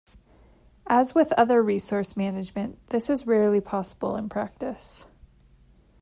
As with other resource management, this is rarely possible in practice.